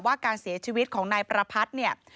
การเสียชีวิตของนายประพัทธ์เนี่ย